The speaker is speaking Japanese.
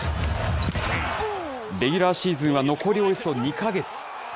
レギュラーシーズンは残りおよそ２か月。